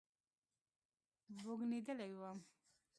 بوږنېدلى وم.